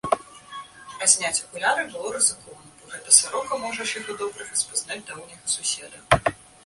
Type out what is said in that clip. А зняць акуляры было рызыкоўна, бо гэта сарока можа, чаго добрага, спазнаць даўняга суседа.